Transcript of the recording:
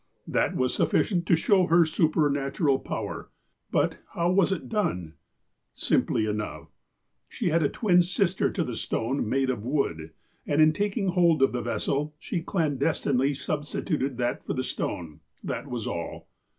That was sufficient to show her supernatural power. But, how was it done ? Simply enough. She had a twin sister to the stone, made of wood, and in taking hold of the vessel, she clandestinely substituted that for the stone. That was all.